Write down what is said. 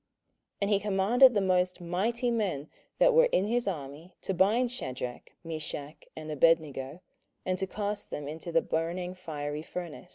27:003:020 And he commanded the most mighty men that were in his army to bind Shadrach, Meshach, and Abednego, and to cast them into the burning fiery furnace.